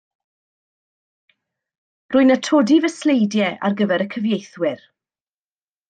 Rwy'n atodi fy sleidiau ar gyfer y cyfieithwyr.